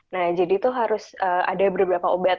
nah jadi itu harus ada beberapa obat